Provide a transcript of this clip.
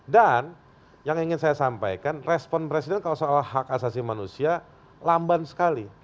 dan yang ingin saya sampaikan respon presiden soal hak asasi manusia lamban sekali